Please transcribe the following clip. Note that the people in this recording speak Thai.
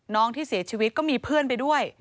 น้องที่เสียชีวิตก็มีเพื่อนไปด้วย